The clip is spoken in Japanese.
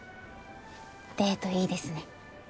デートいいですね